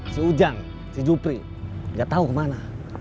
si ujang si jupri dia tahu kemana